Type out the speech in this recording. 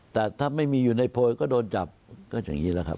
แต่ถ้าไม่มีอยู่ในโพยก็โดนจับก็อย่างนี้แหละครับ